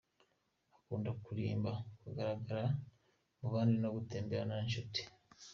Akunda kurimba, kugaragara mu bandi no gutemberana n’inshuti.